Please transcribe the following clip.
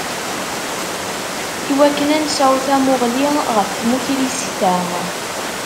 Iwakken ad nesɛu tamuɣli ɣef tmukrist-a.